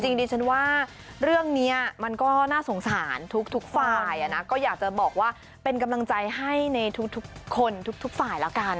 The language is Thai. จริงดิฉันว่าเรื่องนี้มันก็น่าสงสารทุกฝ่ายก็อยากจะบอกว่าเป็นกำลังใจให้ในทุกคนทุกฝ่ายแล้วกัน